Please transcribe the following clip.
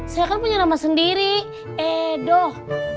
saya kan punya nama sendiri edo